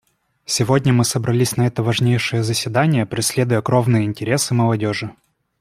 Сегодня мы собрались на это важнейшее заседание, преследуя кровные интересы молодежи.